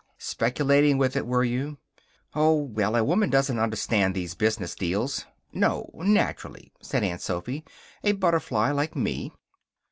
"Speculating with it, were you?" "Oh, well, a woman doesn't understand these business deals." "No, naturally," said Aunt Sophy, "a butterfly like me."